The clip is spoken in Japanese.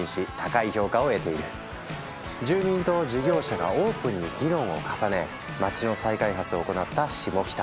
住民と事業者がオープンに議論を重ね街の再開発を行ったシモキタ。